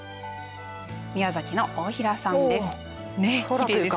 宮崎の大平さんです。